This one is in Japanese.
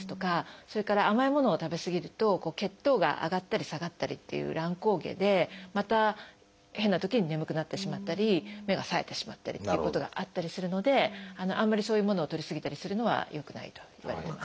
それから甘いものを食べ過ぎると血糖が上がったり下がったりという乱高下でまた変なときに眠くなってしまったり目がさえてしまったりっていうことがあったりするのであんまりそういうものをとり過ぎたりするのはよくないといわれてます。